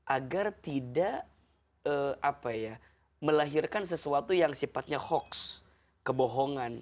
agar tidak melahirkan sesuatu yang sifatnya hoax kebohongan